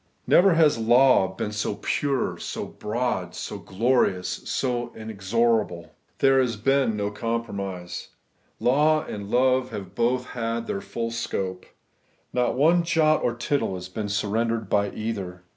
Never has law been seen so pure, so broad, so glorious, so inexorable. There has been no compromise. Law and love have both had their full scope. Not one jot or tittle has been surrendered by either.